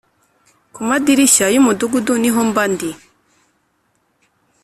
ku madirishya yumudugudu ni ho mbandi